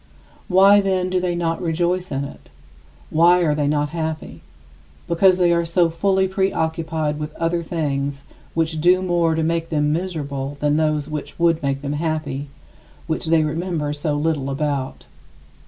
Why, then, do they not rejoice in it? Why are they not happy? Because they are so fully preoccupied with other things which do more to make them miserable than those which would make them happy, which they remember so little about.